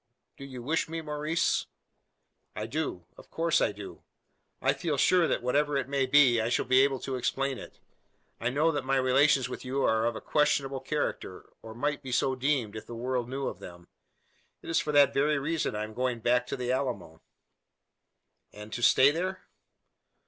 "Do you wish me, Maurice?" "I do of course I do. I feel sure that whatever it may be, I shall be able to explain it. I know that my relations with you are of a questionable character; or might be so deemed, if the world knew of them. It is for that very reason I am going back to the Alamo." "And to stay there?"